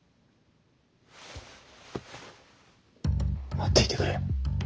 待っていてくれ。